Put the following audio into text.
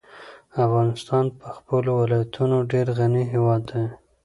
افغانستان په خپلو ولایتونو ډېر غني هېواد دی.